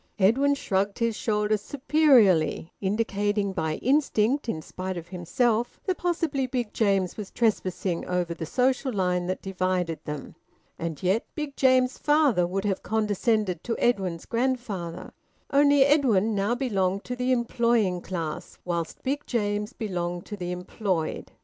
Edwin shrugged his shoulders superiorly, indicating by instinct, in spite of himself, that possibly Big James was trespassing over the social line that divided them. And yet Big James's father would have condescended to Edwin's grandfather. Only, Edwin now belonged to the employing class, whilst Big James belonged to the employed.